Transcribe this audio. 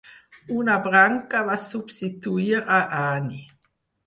Una branca va subsistir a Ani.